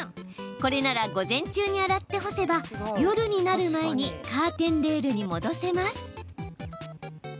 これなら、午前中に洗って干せば夜になる前にカーテンレールに戻せます。